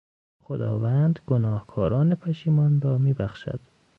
خداوند گناهکاران پشیمان را میبخشد.